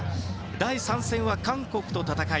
第３戦は韓国と戦い